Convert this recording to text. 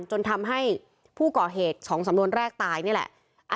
จนทำให้ผู้ก่อเหตุ๒สำนวนแรกตายนี่แหละ